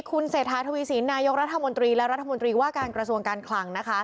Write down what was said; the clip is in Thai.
คุณเศรษฐานวิสินนายกราธมนตรีว่าการกระทรวงการคลัง